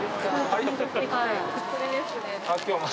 はいこれですね。